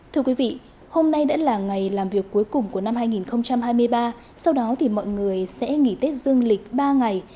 thưa quý vị hôm nay đã là ngày làm việc cuối cùng của năm hai nghìn hai mươi ba sau đó thì mọi người sẽ nghỉ tết dương lịch ba ngày